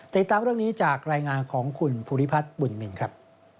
ติดตามเรื่องนี้จากรายงานของคุณภูริพัฒน์บุญนินครับ